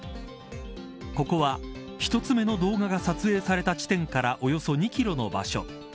ここは１つ目の動画が撮影された地点からおよそ２キロの場所。